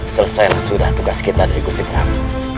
selesailah sudah tugas kita dari gusti perang